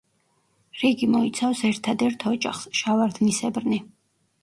რიგი მოიცავს ერთადერთ ოჯახს: შავარდნისებრნი.